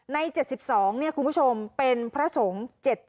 ใน๗๒คุณผู้ชมเป็นพระสงฆ์